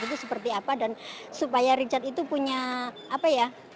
itu seperti apa dan supaya richard itu punya apa ya